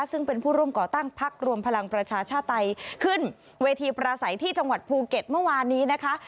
ซึ่งเป็นผู้ร่วมก่อตั้งพักรวมพลังประชาชาติไตยขึ้นเวทีประสัยที่จังหวัดภูเก็ตเมื่อวานนี้นะคะ